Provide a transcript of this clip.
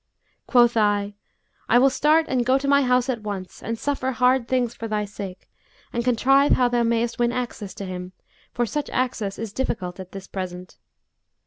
Quoth I, 'I will start and go to my house at once and suffer hard things for thy sake and contrive how thou mayst win access to him, for such access is difficult at this present.'